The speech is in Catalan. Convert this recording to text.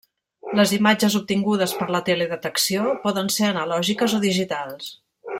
Les imatges obtingudes per la teledetecció poden ser analògiques o digitals.